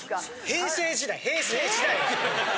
平成時代平成時代。